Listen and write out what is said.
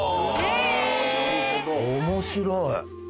面白い。